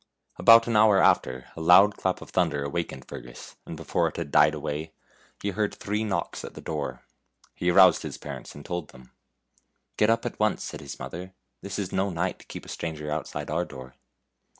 About an hour after a loud clap of thunder awakened Fergus, and before it had died away 80 FAIRY TALES he heard three knocks at the door. He aroused his parents and told them. " Get up at once," said his mother, " this is no night to keep a stranger outside our door."